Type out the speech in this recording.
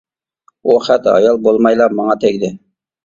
ئۇ خەت ھايال بولمايلا ماڭا تەگدى.